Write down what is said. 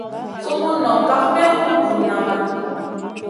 Sumun nong kaf may hum vuna van di.